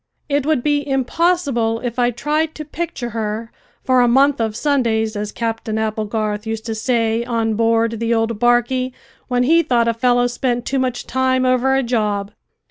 It would be impossible if I tried to picture her for "a month of Sundays," as Captain Applegarth used to say on board the old barquey when he thought a fellow spent too much time over a job.